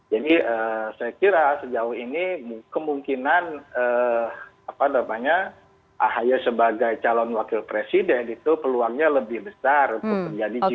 jadi saya kira sejauh ini kemungkinan ahaye sebagai calon wakil presiden itu peluangnya lebih besar untuk menjadi jubah